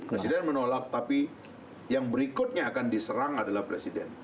presiden menolak tapi yang berikutnya akan diserang adalah presiden